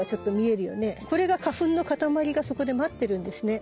これが花粉のかたまりがそこで待ってるんですね。